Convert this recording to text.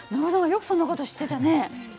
よくそんな事知ってたね。